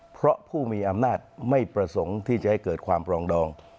เพราะผู้มีอำนาจไม่ประสงค์ที่จะให้เกิดความปรองดอง